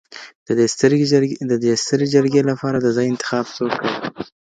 د دې ستري جرګي لپاره د ځای انتخاب څوک کوي؟